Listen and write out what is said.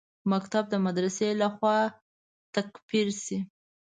مکتب د مدرسې لخوا تکفیر شي.